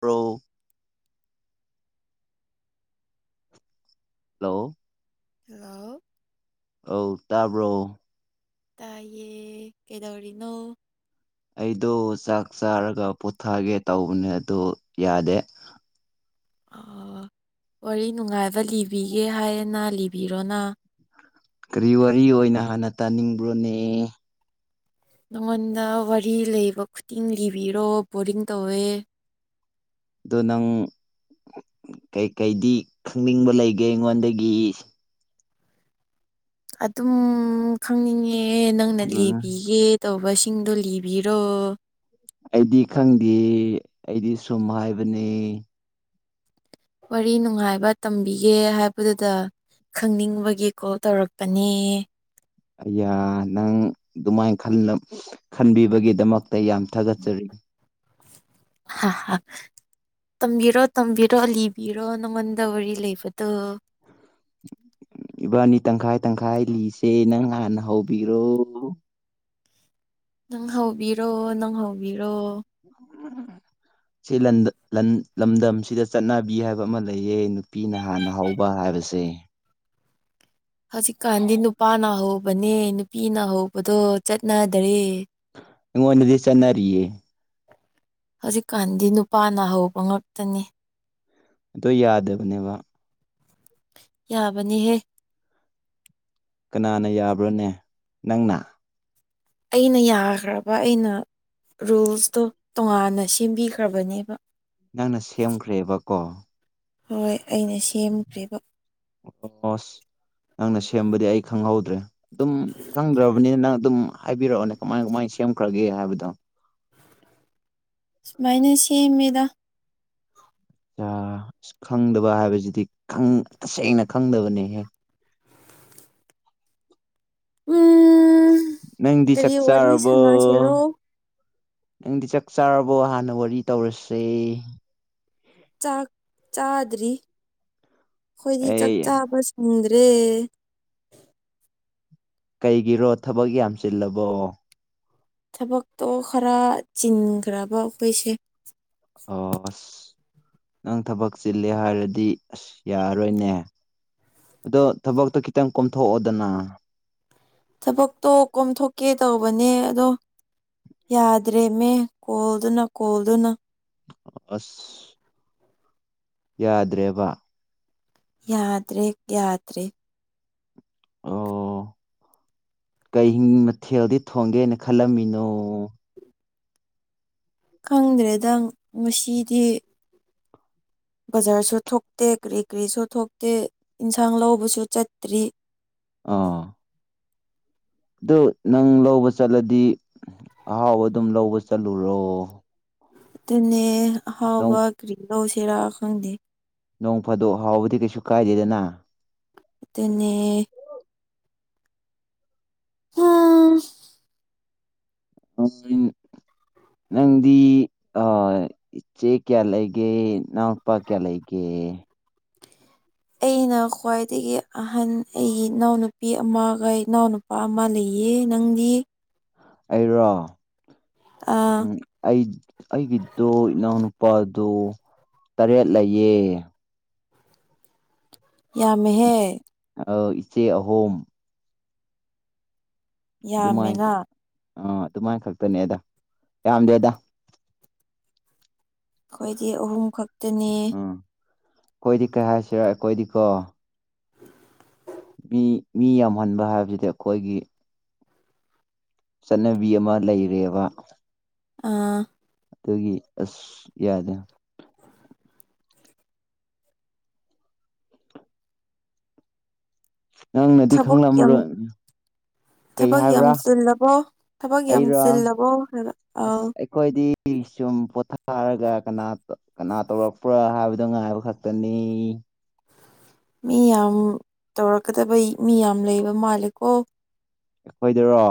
pro hello hello ꯑꯧ ꯇꯥꯕ꯭ꯔꯣ ꯇꯥꯌꯦ ꯀꯩꯗꯧꯔꯤꯅꯣ ꯑꯩꯗꯨ ꯆꯥꯛ ꯆꯥꯔꯒ ꯄꯣꯊꯒꯦ ꯇꯧꯕꯅꯦ ꯑꯗꯨ ꯌꯥꯗꯦ ꯋꯥꯔꯤ ꯅꯨꯡꯉꯥꯏꯕ ꯂꯤꯕꯤꯒꯦ ꯍꯥꯏꯌꯦꯅ ꯂꯤꯕꯤꯔꯣꯅ ꯀꯔꯤ ꯋꯥꯔꯤ ꯑꯣꯏꯅ ꯍꯥꯟꯅ ꯇꯥꯅꯤꯡꯕ꯭ꯔꯣꯅꯦ ꯅꯉꯣꯟꯗ ꯋꯥꯔꯤ ꯂꯩꯕ ꯈꯨꯗꯤꯡ ꯂꯤꯕꯤꯔꯣ ꯕꯣꯔꯤꯡ ꯇꯧꯋꯦ ꯑꯗꯣ ꯅꯪ ꯀꯩ ꯀꯩꯗꯤ ꯈꯪꯅꯤꯡꯕ ꯂꯩꯒꯦ ꯑꯩꯉꯣꯟꯗꯒꯤ ꯑꯗꯨꯝ ꯈꯪꯅꯤꯡꯉꯦ ꯅꯪꯅ ꯎꯝ ꯂꯤꯕꯤꯒꯦ ꯇꯧꯕꯁꯤꯡꯗꯣ ꯂꯤꯕꯤꯔꯣ ꯑꯩꯗꯤ ꯈꯪꯗꯦ ꯑꯩꯗꯤ ꯁꯨꯝ ꯍꯥꯏꯕꯅꯤ ꯋꯥꯔꯤ ꯅꯨꯡꯉꯥꯏꯕ ꯇꯝꯕꯤꯒꯦ ꯍꯥꯏꯕꯗꯨꯗ ꯈꯪꯅꯤꯡꯕꯒꯤ ꯀꯣꯜ ꯇꯧꯔꯛꯄꯅꯦ ꯌꯥ ꯅꯪ ꯑꯗꯨꯃꯥꯏꯅ ꯈꯟꯕꯤꯕꯒꯤꯗꯃꯛ ꯇ ꯌꯥꯝ ꯊꯥꯒꯠꯆꯔꯤ ꯑ ꯇꯝꯕꯤꯔꯣ ꯇꯝꯕꯤꯔꯣ ꯂꯤꯕꯤꯔꯣ ꯅꯪꯉꯣꯟꯗ ꯋꯥꯔꯤ ꯂꯩꯕꯗꯣ [inaudible] ꯏꯕꯥꯅꯤ ꯇꯪꯈꯥꯏ ꯇꯪꯈꯥꯏ ꯂꯤꯁꯦ ꯅꯪ ꯍꯥꯟꯅ ꯍꯧꯕꯤꯔꯣ ꯅꯪ ꯍꯧꯕꯤꯔꯣ ꯅꯪ ꯍꯧꯕꯤꯔꯣ ꯎꯝ [inaudible] ꯁꯤ ꯂ ꯂꯝꯗꯝꯁꯤꯗ ꯆꯠꯅꯕꯤ ꯍꯥꯏꯕ ꯑꯃ ꯂꯩꯌꯦ ꯅꯨꯄꯤꯅ ꯍꯥꯟꯅ ꯍꯥꯎꯕ ꯍꯥꯏꯕ ꯕꯁꯤ ꯍꯧꯖꯤꯛꯀꯥꯟꯗꯤ ꯅꯨꯄꯥꯅ ꯍꯧꯕꯅꯦ ꯅꯨꯄꯤꯅ ꯍꯧꯕꯗꯣ ꯆꯠꯅꯗ꯭ꯔꯦ ꯑꯪꯉꯣꯟ ꯅꯗꯤ ꯆꯅꯔꯤꯌꯦ ꯍꯧꯖꯤꯛꯀꯥꯟꯗꯤ ꯅꯨꯄꯥꯅ ꯍꯧꯕ ꯉꯛꯇꯅꯤ ꯑ ꯌꯥꯗꯕꯅꯦꯕ ꯌꯥꯕꯅꯤꯍꯦ ꯀꯅꯥꯅ ꯌꯥꯕ꯭ꯔꯣꯅꯦ ꯅꯪꯅ ꯑꯩꯅ ꯌꯥꯈ꯭ꯔꯕ ꯑꯩꯅ ꯔꯨꯜꯁꯇꯣ ꯇꯣꯉꯥꯟꯅ ꯁꯦꯝꯕꯤꯈ꯭ꯔꯕꯅꯦꯕ ꯅꯪꯅ ꯁꯦꯝꯈ꯭ꯔꯦꯕꯀꯣ ꯍꯣꯏ ꯑꯩꯅ ꯁꯦꯝꯈ꯭ꯔꯤꯕ ꯁ ꯅꯪꯅ ꯁꯦꯝꯕꯗꯤ ꯑꯩ ꯈꯪꯍꯧꯗ꯭ꯔꯦ ꯑꯗꯨꯝ ꯈꯪꯗ꯭ꯔꯕꯅꯤꯅ ꯅꯪ ꯑꯗꯨꯝ ꯍꯥꯏꯕꯤꯔꯛꯑꯣꯅꯦ ꯀꯃꯥꯏ ꯀꯃꯥꯏꯅ ꯁꯦꯝꯈ꯭ꯔꯒꯦ ꯍꯥꯏꯕꯗꯣ ꯁꯨꯃꯥꯏꯅ ꯁꯦꯝꯃꯦꯗ ꯑꯁ ꯈꯪꯗꯕ ꯍꯥꯏꯕꯁꯤꯗꯤ ꯇꯁꯦꯡꯅ ꯈꯪꯗꯕꯅꯦꯍꯦꯛ ꯎꯝ ꯅꯪꯗꯤ ꯀꯔꯤ ꯆꯥꯛ ꯋꯥꯔꯤ ꯆꯥꯔꯕꯣ ꯁꯥꯟꯅꯁꯤꯔꯣ ꯅꯪꯗꯤ ꯆꯥꯛ ꯆꯥꯔꯕꯣ ꯍꯥꯟꯅ ꯋꯥꯔꯤ ꯇꯧꯔꯁꯦ ꯆꯥꯛ ꯆꯥꯗ꯭ꯔꯤ ꯑꯩꯈꯣꯏꯗꯤ ꯆꯥꯛ ꯑꯩ ꯆꯥꯕꯨꯡꯗ꯭ꯔꯦ ꯔꯦ ꯀꯩꯒꯤꯔꯣ ꯊꯕꯛ ꯌꯥꯝ ꯆꯤꯜꯂꯕꯣ ꯊꯕꯛꯇꯣ ꯈꯔ ꯆꯤꯟꯈ꯭ꯔꯕ ꯑꯩꯈꯣꯏꯁꯦ ꯑ ꯅꯪ ꯊꯕꯛ ꯆꯤꯜꯂꯦ ꯍꯥꯏꯔꯗꯤ ꯑꯁ ꯌꯥꯔꯣꯏꯅꯦ ꯑꯗꯣ ꯊꯕꯛꯇꯣ ꯈꯤꯇꯪ ꯀꯣꯝꯊꯣꯛꯑꯣꯗꯅ ꯊꯕꯛꯇꯣ ꯀꯣꯝꯊꯣꯛꯀꯦ ꯇꯧꯕꯅꯦ ꯑꯗꯣ ꯌꯥꯗ꯭ꯔꯦꯃꯦ ꯀꯣꯜꯗꯨꯅ ꯀꯣꯜꯗꯨꯅ ꯑꯁ ꯌꯥꯗ꯭ꯔꯦꯕ ꯌꯥꯗ꯭ꯔꯦ ꯌꯥꯗ꯭ꯔꯦ [unintelligible] ꯀꯩꯤꯡ ꯃꯊꯦꯜꯗꯤ ꯊꯣꯡꯒꯦꯅ ꯈꯜꯂꯝꯃꯤꯅꯣ ꯈꯪꯗ꯭ꯔꯦꯗꯪ ꯉꯁꯤꯗꯤ ꯕꯖꯥꯔꯁꯨ ꯊꯣꯛꯇꯦ ꯀꯔꯤ ꯀꯔꯤꯁꯨ ꯊꯣꯛꯇꯦ ꯏꯟꯁꯥꯡ ꯂꯧꯕꯁꯨ ꯆꯠꯇ꯭ꯔꯤ ꯑꯥ ꯑꯗꯨ ꯅꯪ ꯂꯧꯕ ꯆꯠꯂꯗꯤ ꯑꯍꯥꯎꯕ ꯑꯗꯨꯝ ꯂꯧꯕ ꯆꯠꯂꯨꯔꯣ ꯑꯗꯨꯅꯦ ꯅꯣꯡ ꯍꯥꯎꯕ ꯀ꯭ꯔꯤꯔꯣ ꯁꯦꯔꯥ ꯈꯪꯗꯦ ꯅꯣꯡ ꯐꯥꯗꯣꯛ ꯍꯥꯎꯕꯗꯤ ꯀꯩꯁꯨ ꯀꯥꯏꯗꯦꯗꯅ ꯑꯗꯨꯅꯦ ꯎꯝ ꯑ ꯅꯪꯗꯤ ꯏꯆꯦ ꯀꯌꯥ ꯂꯩꯒꯦ ꯏꯅꯥꯎꯅꯄꯥ ꯀꯌꯥ ꯂꯩꯒꯦ [unintelligible] ꯑꯩꯅ ꯈ꯭ꯋꯥꯏꯗꯒꯤ ꯑꯍꯟ ꯑꯩꯒꯤ ꯏꯅꯥꯎꯅꯨꯄꯤ ꯑꯃꯒ ꯏꯅꯥꯎꯅꯨꯄꯥ ꯑꯃ ꯂꯩ ꯏ ꯅꯪꯗꯤ ꯑꯩꯔꯣ ꯑꯥ ꯎ ꯑꯩ ꯑꯩꯒꯤꯗꯨꯣ ꯏꯅꯥꯎꯅꯨ ꯂꯄꯥꯗꯨ ꯇꯔꯦꯠ ꯂꯩꯑꯦ ꯌꯥꯝꯃꯦꯍꯦ ꯑ ꯏꯆꯦ ꯑꯍꯣꯨꯝ ꯑꯗꯨꯃꯥꯏ ꯌꯥꯝꯃꯤꯅ ꯑꯥ ꯑꯗꯨꯃꯥꯏ ꯈꯛꯇꯅꯦ ꯑꯗ ꯌꯥꯝꯗꯦꯗ ꯑꯩꯈꯣꯏꯗꯤ ꯑꯍꯨꯝ ꯈꯛꯇꯅꯦ ꯎꯝ ꯑꯩꯈꯣꯏꯗꯤ ꯀꯩ ꯍꯥꯏꯁꯤꯔ ꯑꯩꯈꯣꯏꯗꯤꯀꯣ ꯃꯤ ꯃꯤ ꯌꯥꯝꯍꯟꯕ ꯍꯥꯏꯕꯁꯤꯗꯤ ꯑꯩꯈꯣꯏꯒꯤ ꯆꯠꯅꯕꯤꯌꯃ ꯂꯩꯔꯦꯕ ꯑꯥ ꯑꯗꯨꯒꯤ ꯑꯁ ꯌꯥꯗꯦ ꯅꯪꯅꯗꯤ ꯊꯕꯛ ꯌꯥꯝ ꯈꯪꯂꯝꯕꯔꯣ ꯊꯕꯛ ꯌꯥꯝ ꯆꯤꯜꯂꯕꯣ ꯊꯕꯛ ꯌꯥꯝ ꯑꯩꯔꯣ ꯆꯤꯜꯂꯕꯣ ꯍꯥꯏꯕ ꯑꯥꯎ ꯑꯩ ꯁꯨꯝ ꯄꯣꯊꯥꯔꯒ ꯀꯅꯥ ꯀꯅꯥ ꯇꯧꯔꯛꯄ꯭ꯔꯥ ꯍꯥꯏꯕꯗꯣ ꯉꯥꯏꯕ ꯈꯛꯇꯅꯤ ꯃꯤ ꯌꯥꯝ ꯇꯧꯔꯛꯀꯗꯕꯩ ꯃꯤ ꯌꯥꯝ ꯂꯩꯕ ꯃꯥꯜꯂꯦꯀꯣ ꯑꯩꯈꯣꯏꯗꯔꯣ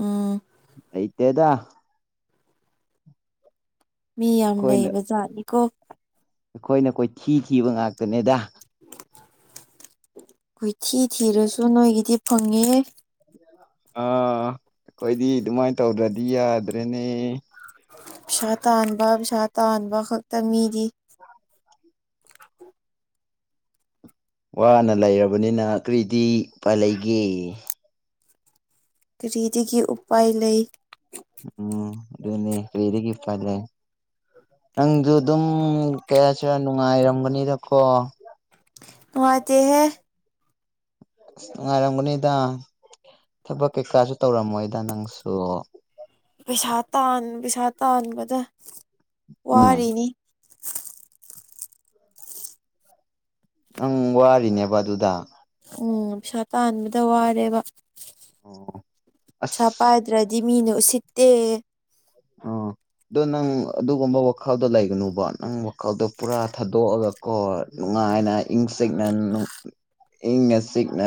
ꯎꯝ ꯂꯩꯇꯦꯗ ꯃꯤ ꯌꯥꯝ ꯑꯩꯈꯣꯏꯅ ꯂꯩꯕ ꯖꯥꯠꯅꯤꯀꯣ ꯑꯩꯈꯣꯏꯅ ꯀꯣꯏꯊꯤ ꯊꯤꯕ ꯉꯥꯛꯇꯅꯦꯗ ꯀꯣꯏꯊꯤ ꯊꯤꯔꯁꯨ ꯅꯣꯏꯒꯤꯗꯤ ꯐꯪꯉꯦꯌꯦ ꯑꯥ ꯑꯩꯈꯣꯏꯗꯤ ꯑꯗꯨꯃꯥꯏꯅ ꯇꯧꯗ꯭ꯔꯗꯤ ꯌꯥꯗ꯭ꯔꯦꯅꯦ ꯄꯩꯁꯥ ꯇꯥꯟꯕ ꯄꯩꯁꯥ ꯇꯥꯟꯕ ꯈꯛꯇ ꯃꯤꯗꯤ [unintelligible] ꯋꯥꯅ ꯂꯩꯔꯕꯅꯤꯅ ꯀꯔꯤꯗꯤ ꯎꯄꯥꯏꯂꯩꯒꯦ ꯀꯔꯤꯗꯒꯤ ꯎꯄꯥꯏ ꯂꯩ ꯎꯝ ꯑꯗꯨꯅꯤ ꯀ꯭ꯔꯤꯗꯒꯤ ꯎꯄꯥꯏ ꯂꯩ ꯅꯪꯁꯨ ꯑꯗꯨꯝ ꯀꯩꯍꯥꯏꯁꯤꯔ ꯅꯨꯡꯉꯥꯏꯔꯝꯒꯅꯤꯗꯀꯣ ꯅꯨꯡꯉꯥꯏꯇꯦꯍꯦ ꯅꯨꯡꯉꯥꯏꯔꯝꯒꯅꯤꯗ ꯊꯕꯛ ꯀꯩꯀꯥꯁꯨ ꯇꯧꯔꯝꯃꯣꯏꯗ ꯅꯪꯁꯨ ꯄꯩꯁꯥ ꯇꯥꯟ ꯄꯩꯁꯥ ꯇꯥꯟꯕꯗ ꯎꯝ ꯋꯥꯔꯔꯤꯅꯤ ꯅꯪ ꯋꯥꯔꯤꯅꯦꯕ ꯑꯗꯨꯗ ꯎꯝ ꯄꯩꯁꯥ ꯇꯥꯟꯕꯗ ꯋꯥꯔꯦꯕ ꯑꯣ ꯄꯩꯁꯥ ꯑꯁ ꯄꯥꯏꯗ꯭ꯔꯗꯤ ꯃꯤꯅ ꯎꯁꯤꯠꯇꯦ ꯑꯣ ꯑꯗꯣ ꯅꯪ ꯑꯗꯨꯒꯨꯝꯕ ꯋꯥꯈꯜꯗꯣ ꯂꯩꯒꯅꯨꯕ ꯅꯪ ꯋꯥꯈꯜꯗꯣ ꯄꯨꯔꯥ ꯊꯥꯗꯣꯛꯑꯒ ꯀꯣ ꯅꯨꯡꯉꯥꯏꯅ ꯏꯪꯅ ꯆꯤꯛꯅ ꯏꯪꯅ ꯆꯤꯛꯅ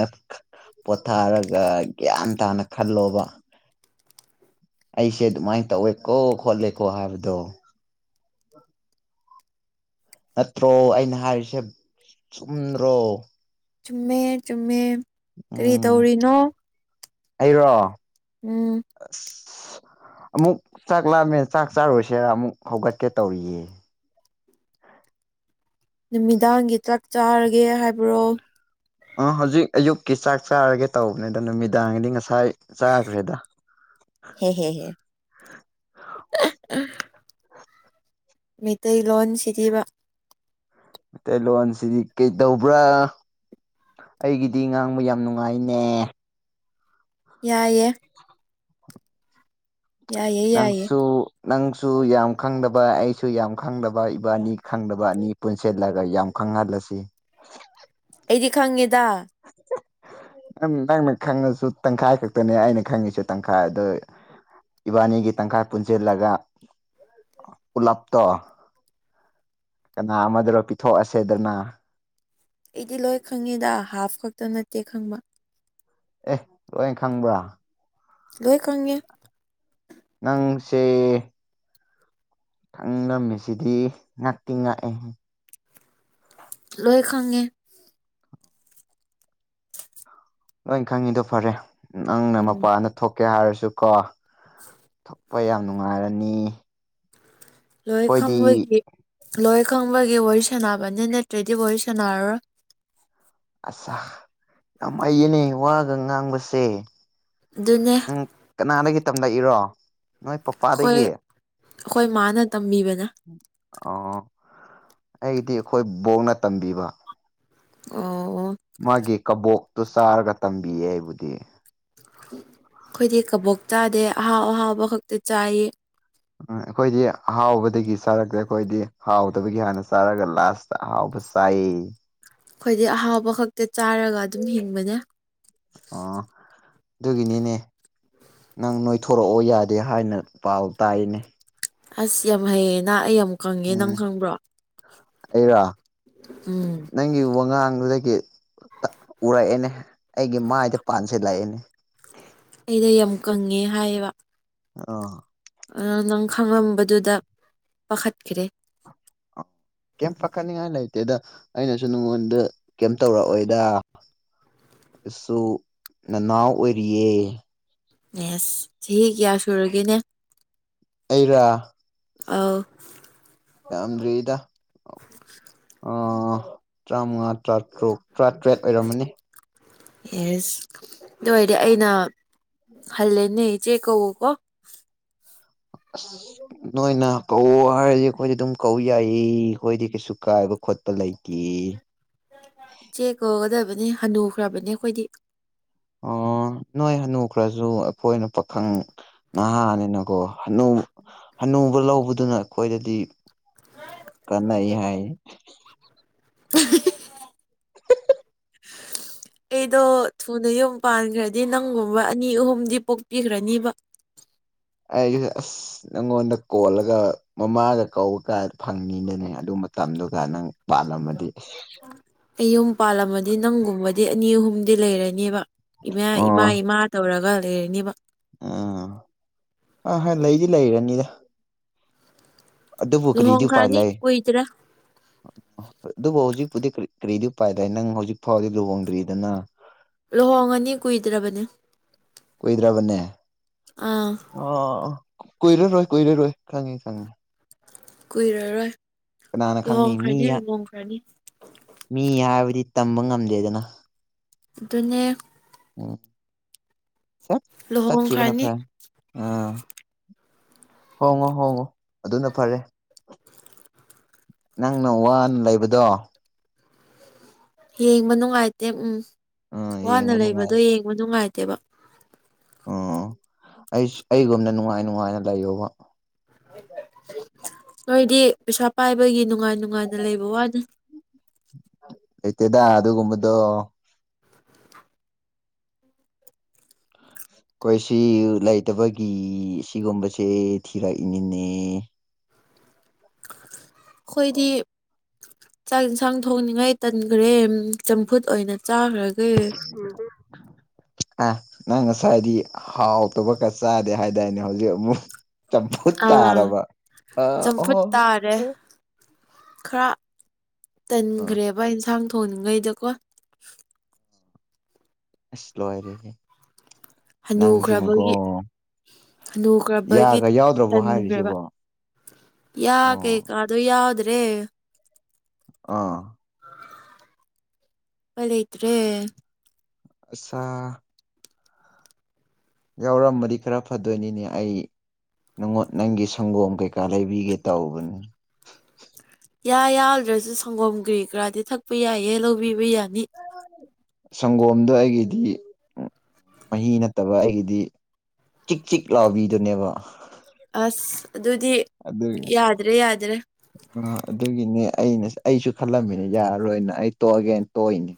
ꯄꯣꯊꯥꯔꯒ ꯒ꯭ꯌꯥꯟ ꯇꯥꯅ ꯈꯜꯂꯣꯕ ꯑꯩꯁꯦ ꯑꯗꯨꯃꯥꯏꯅ ꯇꯧꯋꯦꯀꯣ ꯈꯣꯠꯂꯦꯀꯣ ꯍꯥꯏꯕꯗꯣ ꯅꯠꯇ꯭ꯔꯣ ꯑꯩꯅ ꯍꯥꯏꯔꯤꯁꯦ ꯆꯨꯝꯗ꯭ꯔꯣ ꯆꯨꯝꯃꯦ ꯆꯨꯝꯃꯦ ꯀꯔꯤ ꯎꯝ ꯇꯧꯔꯤꯅꯣ ꯑꯩꯔꯣ ꯎꯝ ꯑꯁ ꯑꯃꯨꯛ ꯆꯥꯛ ꯂꯥꯑꯝꯃꯦ ꯆꯥꯛ ꯆꯥꯔꯨꯁꯦꯔ ꯑꯃꯨꯛ ꯍꯧꯒꯠꯀꯦ ꯇꯧꯔꯤꯌꯦ ꯅꯨꯃꯤꯗꯥꯡꯒꯤ ꯇ꯭ꯔꯛ ꯆꯥꯔꯒꯦ ꯍꯥꯏꯕ꯭ꯔꯣ ꯑ ꯍꯧꯖꯤꯛ ꯑꯌꯨꯛꯀꯤ ꯆꯥꯛ ꯆꯥꯔꯒꯦ ꯇꯧꯕꯅꯦ ꯑꯗꯣ ꯅꯨꯃꯤꯗꯥꯡꯒꯤꯗꯤ ꯉꯁꯥꯏ ꯆꯈ꯭ꯔꯦꯗ ꯍꯦ ꯍꯦ ꯍꯦ [unintelligible] ꯃꯤꯇꯩꯩꯂꯣꯟ ꯁꯤꯗꯤꯕ ꯃꯩꯇꯩꯂꯣꯟꯣꯟꯁꯤꯗꯤ ꯀꯩꯗꯧꯕ꯭ꯔꯥ ꯑꯩꯒꯤꯗꯤ ꯉꯥꯡꯕ ꯌꯥꯝ ꯅꯨꯡꯉꯥꯏꯅꯦ ꯌꯥꯏꯌꯦ ꯌꯥꯏꯌꯦ ꯌꯥꯏꯌꯦ ꯅꯪꯁꯨ ꯅꯪꯁꯨ ꯌꯥꯝ ꯈꯪꯗꯕ ꯑꯩꯁꯨ ꯌꯥꯝ ꯈꯪꯗꯕ ꯏꯕꯥꯅꯤ ꯈꯪꯗꯕ ꯑꯅꯤ ꯄꯨꯟꯁꯤꯜꯂꯒ ꯌꯥꯝ ꯐꯪꯍꯜꯂꯁꯤ ꯑꯩꯗꯤ ꯈꯪꯉꯦꯗ ꯅꯪꯅ ꯈꯪꯉꯁꯨ ꯇꯪꯈꯥꯏ ꯈꯛꯇꯅꯦ ꯑꯩꯅ ꯈꯪꯉꯤꯁꯨ ꯇꯪꯈꯥꯏ ꯑꯗꯨ ꯏꯕꯥ ꯟꯅꯤꯒꯤ ꯇꯪꯈꯥꯏ ꯄꯨꯟꯁꯤꯜꯂꯒ ꯄꯨꯂꯞꯇꯣ ꯀꯅꯥ ꯑꯃꯗꯨꯔꯣ ꯄꯤꯊꯣꯛꯑꯁꯦꯗꯅ ꯑꯩꯗꯤ ꯂꯣꯏ ꯈꯪꯉꯦꯗ ꯍꯥꯐ ꯈꯛꯇ ꯅꯠꯇꯦ ꯈꯪꯕ ꯑꯦ ꯂꯣꯏ ꯈꯪꯕ꯭ꯔꯥ ꯂꯣꯏꯈꯪꯉꯦ ꯅꯪꯁꯦ ꯈꯪꯉꯝꯃꯤꯁꯤꯗꯤ ꯉꯥꯛꯇꯤꯡ ꯉꯥꯛꯑꯦ ꯂꯣꯏ ꯈꯪꯉꯦ ꯂꯣꯏ ꯈꯪꯉꯤꯗꯣ ꯐꯔꯦ ꯅꯪꯅ ꯎꯝ ꯃꯄꯥꯗ ꯊꯣꯛꯀꯦ ꯍꯥꯏꯔꯁꯨ ꯀꯣ ꯌꯥꯝ ꯅꯨꯡꯉꯥꯏꯔꯅꯤ ꯂꯣꯏ ꯑꯩꯈꯣꯏꯗꯤ ꯈꯪꯕꯣꯏꯒꯤ ꯂꯣꯏ ꯈꯪꯕꯒꯤ ꯋꯥꯔꯤ ꯁꯥꯟꯅꯕꯅꯤ ꯅꯠꯇ꯭ꯔꯗꯤ ꯋꯥꯔꯤ ꯁꯥꯟꯅꯔꯔꯣꯏ ꯑꯁꯥ ꯌꯥꯝ ꯍꯩꯌꯦꯅꯦ ꯋꯥꯒ ꯉꯥꯡꯕꯁꯦ ꯑꯗꯨꯅꯦ ꯅꯪ ꯀꯅꯥꯗꯒꯤ ꯇꯝꯂꯛꯏꯔꯣ ꯅꯣꯏ ꯑꯩꯈꯣꯏ ꯄꯄꯥꯗꯒꯤ ꯑꯩꯈꯣꯏ ꯃꯥꯅ ꯇꯝꯕꯤꯕꯅꯦ ꯑ ꯑꯩꯗꯤ ꯑꯩꯈꯣꯏ ꯕꯣꯛꯅ ꯇꯝꯕꯤꯕ ꯑꯣ ꯃꯥꯒꯤ ꯀꯕꯣꯛꯇꯨ ꯆꯥꯔꯒ ꯇꯝꯕꯤꯌꯦ ꯑꯩꯕꯨꯗꯤ ꯑꯩꯈꯣꯏꯗꯤ ꯀꯕꯣꯛ ꯆꯥꯗꯦ ꯑꯍꯥꯎ ꯑꯍꯥꯎꯕ ꯈꯛꯇ ꯆꯥꯏ ꯎꯝ ꯑꯩꯈꯣꯏꯗꯤ ꯑꯍꯥꯎꯕꯗꯒꯤ ꯆꯥꯔꯛꯇꯦ ꯑꯩꯈꯣꯏꯗꯤ ꯍꯥꯎꯗꯕꯒꯤ ꯍꯥꯟꯅ ꯆꯥꯔꯒ ꯂꯥꯁꯇ ꯑꯍꯥꯎꯕ ꯆꯥꯏ ꯑꯩꯈꯣꯏꯗꯤ ꯑꯍꯥꯎꯕ ꯈꯛꯇ ꯆꯥꯔꯒ ꯑꯗꯨꯝ ꯍꯤꯡꯕꯅꯦ ꯑ ꯑꯗꯨꯒꯤꯅꯤꯅꯦ ꯅꯪ ꯅꯣꯏꯊꯣꯔꯛꯑꯣ ꯌꯥꯗꯦ ꯍꯥꯏꯅ ꯄꯥꯎ ꯇꯥꯏꯌꯦꯅꯦ ꯑꯁ ꯌꯥꯝ ꯍꯩꯌꯦꯅ ꯎꯝ ꯑꯩꯔ ꯎꯝ ꯅꯪꯒꯤ ꯋꯥꯉꯥꯡ ꯗꯨꯗꯒꯤ ꯎꯔꯛꯑꯦꯅꯦ ꯑꯩꯒꯤ ꯃꯥꯏꯗ ꯄꯥꯟꯁꯦ ꯂꯥꯛꯑꯦꯅꯦ ꯑꯩꯗ ꯌꯥꯝ ꯀꯪꯉꯦ ꯍꯥꯏꯌꯦꯕ ꯑ ꯑꯗ ꯅꯪ ꯈꯪꯂꯝꯕꯗꯨꯗ ꯄꯥꯈꯠꯈꯔꯦ ꯀꯦꯝ ꯄꯥꯈꯠꯅꯤꯡꯉꯥꯏ ꯂꯩꯇꯦꯗ ꯑꯩꯅꯁꯨ ꯅꯉꯣꯟꯗ ꯀꯦꯝ ꯇꯧꯔꯛꯑꯣꯏꯗ ꯁꯨ ꯅꯅꯥꯎ ꯑꯣꯏꯔꯤꯌꯦ ꯑꯦꯁ ꯆꯍꯤ ꯀꯌꯥ ꯁꯨꯔꯒꯦꯅꯦ ꯑꯩꯔ ꯑ ꯌꯥꯝꯗꯔꯤꯗ [inaudible] ꯑ ꯆꯥꯃꯉꯥ ꯇꯔꯥꯇꯔꯨꯛ ꯇꯔꯥꯇꯔꯦꯠ ꯑꯣꯏꯔꯝꯃꯅꯤ ꯌꯦꯁ ꯑꯗꯨ ꯑꯣꯏꯔꯗꯤ ꯑꯩꯅ ꯍꯜꯂꯦꯅꯦ ꯆꯦ ꯀꯧꯋꯣ ꯀꯣ ꯑꯁ ꯅꯣꯏꯅ ꯀꯧ ꯍꯥꯏꯔꯗꯤ ꯑꯩꯈꯣꯏꯗꯤ ꯑꯗꯨꯝ ꯀꯧ ꯌꯥꯏꯌꯦ ꯑꯩꯈꯣꯏꯗꯤ ꯀꯩꯁꯨ ꯀꯥꯏꯕ ꯈꯣꯠꯄ ꯂꯩꯇꯤꯌꯦ ꯏꯆꯦ ꯀꯧꯒꯗꯕꯅꯤ ꯍꯅꯨꯈ꯭ꯔꯕꯅꯦ ꯑꯩꯈꯣꯏꯗꯤ ꯑꯣ ꯅꯣꯏ ꯍꯅꯨ ꯈ꯭ꯔꯁꯨ ꯑꯩꯈꯣꯏꯅ ꯄꯥꯈꯪ ꯅꯍꯥꯅꯤꯅꯀꯣ ꯍꯅꯨ ꯍꯅꯨꯕ ꯂꯧꯕꯗꯨꯅ ꯑꯩꯈꯣꯏꯗꯗꯤ [inaudible] ꯀꯅꯩ ꯍꯥꯏ [inaudible] ꯑꯩꯗꯣ ꯊꯨꯅ ꯌꯨꯝ ꯄꯥꯟꯈ꯭ꯔꯗꯤ ꯅꯪꯒꯨꯝꯕ ꯑꯅꯤ ꯑꯍꯨꯝꯗꯤ ꯄꯣꯛꯄꯤꯈ꯭ꯔꯅꯤꯕ [inaudible] ꯑꯩꯒꯤ ꯑꯁ ꯅꯪꯉꯣꯟꯗ ꯀꯣꯜꯂꯒ ꯃꯃꯥꯒ ꯀꯧ ꯀꯥꯏꯗ ꯐꯪꯉꯤꯗꯅꯦ ꯑꯗꯨꯝ ꯃꯇꯝꯗꯨꯒ ꯅꯪ ꯄꯥꯜꯂꯝꯃꯗꯤ ꯑꯩ ꯌꯨꯝ ꯄꯥꯜꯂꯝꯃꯗꯤ ꯅꯪꯒꯨꯝꯕꯗꯤ ꯑꯅꯤ ꯑꯍꯨꯝꯗꯤ ꯂꯩꯔꯅꯦꯕ ꯏꯃꯥ ꯏꯃꯥ ꯏꯃꯥ ꯇꯧꯔꯒ ꯂꯩꯔꯅꯦꯕ ꯎꯝ ꯑ ꯍꯣꯏ ꯂꯩꯗꯤ ꯂꯩꯔꯅꯤꯗ ꯑꯗꯨꯕꯨ ꯀꯔꯤꯗꯤ ꯄꯥꯏ ꯂꯨꯍꯣꯡꯈ꯭ꯔꯅꯤ ꯂꯩ ꯀꯨꯏꯗ꯭ꯔꯦ ꯑꯗꯨꯕꯨ ꯍꯧꯖꯤꯛꯄꯨꯗꯤ ꯀꯔꯤꯗꯤ ꯄꯥꯏꯗꯏ ꯅꯪ ꯍꯧꯖꯤꯛ ꯐꯥꯎꯕꯗꯤ ꯂꯨꯍꯣꯡꯗ꯭ꯔꯤꯗꯅ ꯂꯨꯍꯣꯡꯉꯅꯤ ꯀꯨꯏꯗ꯭ꯔꯕꯅꯤ ꯀꯨꯏꯗ꯭ꯔꯥꯕꯅꯦ ꯑꯥ ꯑ ꯀꯣꯏꯏꯔꯔꯣꯏ ꯀꯣꯏꯏꯔꯔꯣꯏ ꯈꯪꯉꯤ ꯈꯪꯉꯦ ꯀꯨꯏꯔꯔꯣꯏ ꯀꯅꯥꯅ ꯈꯪꯅꯤ ꯃꯤ ꯂꯨꯍꯣꯡꯈ꯭ꯔꯅꯤ ꯂꯨꯍꯣꯡꯈ꯭ꯔꯅꯤ ꯃꯤ ꯍꯥꯏꯕꯗꯤ ꯇꯝꯕ ꯉꯝꯗꯦꯗꯅ ꯑꯗꯨꯅꯦ ꯎꯝ ꯆꯠ ꯆꯥꯛ ꯀꯈꯤꯕ ꯂꯨꯍꯣꯡꯈ꯭ꯔꯅꯤ ꯅꯄꯥꯥꯏ ꯑ ꯍꯣꯡꯉꯨ ꯍꯣꯡꯉꯨ ꯑꯗꯨꯅ ꯐꯔꯦ ꯅꯪꯅ ꯋꯥꯅ ꯂꯩꯕꯗꯣ ꯌꯦꯡꯕ ꯅꯨꯡꯉꯥꯏꯇꯦ ꯎꯝ ꯎꯝ ꯋꯥꯅ ꯌꯦꯡꯕ ꯅꯨꯡꯉꯥꯏ ꯂꯩꯕꯗꯣ ꯌꯦꯡꯕ ꯅꯨꯡꯉꯥꯏꯇꯦꯕ ꯑꯣ ꯑꯩ ꯑꯩꯒꯨꯝꯗ ꯅꯨꯡꯉꯥꯏ ꯅꯨꯡꯉꯥꯏꯅ ꯂꯩꯌꯣꯕ ꯅꯣꯏꯗꯤ ꯄꯩꯁꯥ ꯄꯥꯏꯕꯒꯤ ꯅꯨꯡꯉꯥꯏꯅꯤ ꯅꯨꯡꯉꯥꯏꯅ ꯂꯩꯕ ꯋꯥꯅꯤ ꯂꯩꯇꯦꯗ ꯑꯗꯨꯒꯨꯝꯕꯗꯣ ꯀ ꯑꯩꯈꯣꯏ ꯁꯤ ꯂꯩꯇꯕꯒꯤ ꯁꯤꯒꯨꯝꯕꯁꯦ ꯊꯤꯔꯛꯏꯅꯤꯅꯦ ꯑꯩꯈꯣꯏꯗꯤ ꯆꯥꯛ ꯌꯦꯟꯁꯥꯡ ꯊꯣꯡꯅꯤꯡꯉꯥꯏ ꯇꯟꯈ꯭ꯔꯦ ꯆꯝꯐꯨꯠ ꯑꯣꯏꯅ ꯇꯥꯔꯒ ꯑ ꯅꯪ ꯉꯁꯥꯏꯗꯤ ꯍꯥꯎꯇꯕꯀꯔ ꯆꯥꯗꯦ ꯍꯥꯏꯗꯥꯔꯅꯦ ꯍꯧꯖꯤꯛ ꯑꯃꯨꯛ ꯆꯝꯄ ꯇꯥ ꯑꯥ ꯑꯔꯔꯕ ꯑ ꯆꯝꯐꯨꯠ ꯑꯣ ꯇꯥꯔꯦ ꯈꯔ ꯑ ꯇꯟꯈ꯭ꯔꯦꯕ ꯏꯟꯁꯥꯡ ꯊꯣꯡꯉꯩꯗꯀꯣ ꯑꯁ ꯂꯣꯏꯔꯦꯍꯦ ꯅꯪꯁꯤꯃꯀꯣ ꯍꯟꯗꯨꯈ꯭ꯔꯕꯒꯤ ꯂꯨꯈ꯭ꯔꯕꯒꯤ ꯌꯥꯒ ꯌꯥꯎꯗ꯭ꯔꯕꯣ ꯆꯟꯈ꯭ꯔꯦꯕ ꯍꯥꯏꯔꯤꯁꯤꯕꯣ ꯌꯥ ꯑꯣ ꯀꯩꯀꯥꯗꯣ ꯌꯥꯎꯗ꯭ꯔꯦ ꯑꯥ ꯐꯂꯦꯗ꯭ꯔꯦ ꯑꯆꯥꯥ ꯌꯥꯎꯔꯝꯃꯗꯤ ꯈꯔ ꯐꯗꯣꯏꯅꯤꯅꯦ ꯑꯩ ꯅꯨꯡꯉꯣꯠ ꯅꯪꯒꯤ ꯁꯪꯒꯣꯝ ꯀꯩꯀꯥ ꯂꯩꯕꯤꯒꯦ ꯇꯧꯕꯅꯤ ꯌꯥ ꯌꯥꯎꯗ꯭ꯔꯁꯨ ꯁꯪꯒꯣꯝ ꯀꯒꯔꯤ ꯀꯔꯥꯗꯤ ꯊꯛꯄ ꯌꯥꯏꯌꯦ ꯂꯧꯕꯤꯕ ꯌꯥꯅꯤ ꯁꯪꯒꯣꯝꯗ ꯑꯩꯒꯤꯗꯤ ꯃꯍꯤ ꯅꯠꯇꯕ ꯑꯩꯒꯤꯗꯤ ꯆꯤꯛ ꯆꯤꯛ ꯂꯥꯎꯕꯤꯗꯨꯅꯦꯕ ꯑꯁ ꯑꯗꯨꯗꯤ ꯑꯗꯨꯒꯤ ꯌꯥꯗ꯭ꯔꯦ ꯌꯥꯗ꯭ꯔꯦ ꯑ ꯑꯗꯨꯒꯤꯅꯦ ꯑꯩꯅ ꯑꯩꯁꯨ ꯈꯜꯂꯝꯃꯤꯅꯦ ꯌꯥꯔꯔꯣꯏꯅ ꯑꯩ ꯇꯣꯛꯑꯒꯦꯅ ꯇꯣꯛꯏꯅꯦ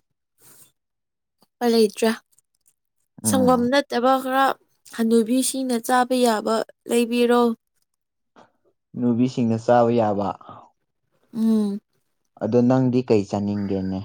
ꯂꯩꯇ꯭ꯔꯦ ꯁꯪꯒꯣꯝ ꯎꯝ ꯅꯠꯇꯕ ꯈꯔ ꯍꯅꯣꯏꯕꯤ ꯁꯤꯅ ꯆꯥꯕ ꯌꯥꯕ ꯂꯩꯕꯤꯔꯣ ꯅꯨꯕꯤꯁꯤꯡꯅ ꯆꯥꯕ ꯌꯥꯕ ꯎꯝ ꯑꯗꯣ ꯅꯪꯗꯤ ꯀꯩ ꯆꯥꯅꯤꯡꯒꯦꯅꯦ